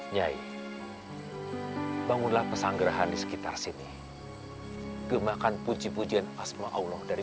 nyai bangunlah pesanggerahan di sekitar sini gemahkan puji pujian asma allah dari